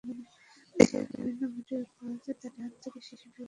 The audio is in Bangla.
দেশের বিভিন্ন মেডিকেল কলেজে তাঁরই হাত ধরে শিশু বিভাগ যাত্রা শুরু করে।